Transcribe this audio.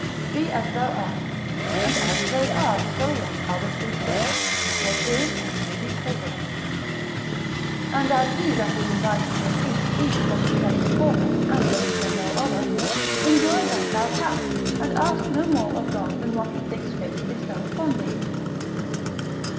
Be as thou art; and as they are, so let Others be still; what is and may be covert. And as he that is invited to a feast eats what is set before him, and looks for no other, enjoy that thou hast, and ask no more of God than what he thinks fit to bestow upon thee.